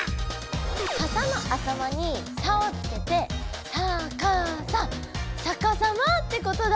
「かさ」の頭に「さ」をつけてさかさまってことだ。